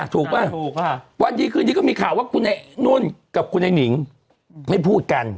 ป่ะถูกค่ะวันดีคืนนี้ก็มีข่าวว่าคุณไอ้นุ่นกับคุณไอ้หนิงไม่พูดกัน